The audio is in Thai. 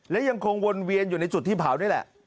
และยังคงวนเวียนอยู่ในจุดที่เผานี่แหละ